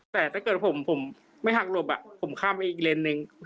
แต่ถ้าเกิดผมผมไม่หักรบอ่ะผมข้ามไปอีกเลนส์หนึ่ง